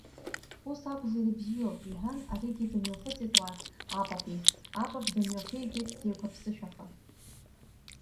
Ус акәзар ибзиоуп, — иҳәан аригьы дымҩахыҵит уахь, апап иахь, апап дымҩахигеит деиқәаԥсышәаха.